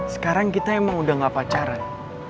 sekarang kita emang udah gak pacaran